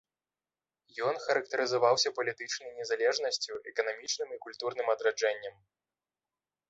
Ён характарызаваўся палітычнай незалежнасцю, эканамічным і культурным адраджэннем.